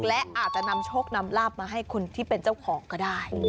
และอาจจะนำโชคนำลาบมาให้คนที่เป็นเจ้าของก็ได้